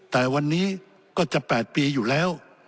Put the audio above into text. แต่วันนี้ก็จะ๘ปีอยู่แล้ว